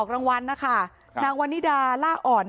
นางวานิดาลาอ่อนนายกิลกาชาติ